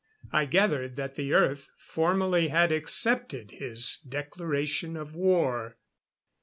I gathered that the Earth formally had accepted his declaration of war.